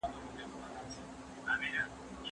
اسکيمويان خپل ځانګړی ژوند لري.